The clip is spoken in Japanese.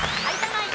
ナイン